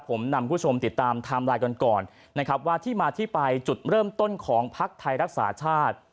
ผมนำคุณผู้ชมติดตามไทม์ไลน์กันก่อนนะครับว่าที่มาที่ไปจุดเริ่มต้นของภักดิ์ไทยรักษาชาติ